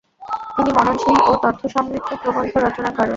তিনি মননশীল ও তথ্যসমৃদ্ধ প্রবন্ধ রচনা করেন।